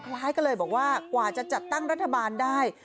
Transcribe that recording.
คล้ายก็เลยบอกว่ากว่าจะจัดตั้งรัฐบาลได้